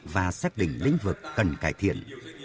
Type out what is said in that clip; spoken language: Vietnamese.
và xác định lĩnh vực cần cải thiện